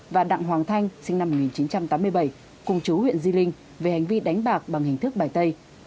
và đặng hoàng thanh sinh năm một nghìn chín trăm tám mươi bảy cùng chú huyện di linh về hành vi đánh bạc bằng hình thức bài tây